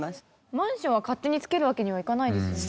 マンションは勝手につけるわけにはいかないですよね。